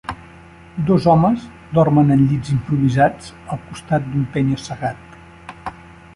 Dos homes dormen en llits improvisats al costat d'un penya-segat.